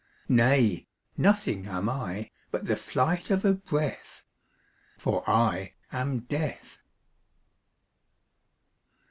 Nay; nothing am I, But the flight of a breath For I am Death!